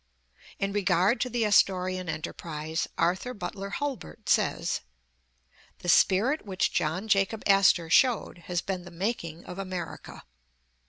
In regard to the Asto rian enterprise, Arthur Butler Hulbert says: "The spirit which John Jacob Astor showed has been the making of America.